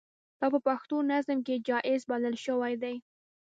دا په پښتو نظم کې جائز بلل شوي دي.